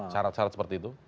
syarat syarat seperti itu